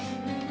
oh enggak nanti